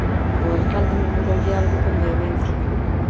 O alcalde murmuroulle algo con vehemencia.